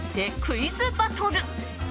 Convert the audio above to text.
クイズバトル！！